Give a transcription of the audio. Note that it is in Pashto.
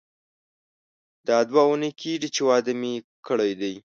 دا دوه اونۍ کیږي چې واده مې کړی دی.